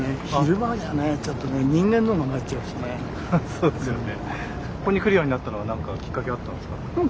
そうですよね。